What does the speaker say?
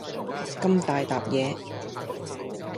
咁大疊嘢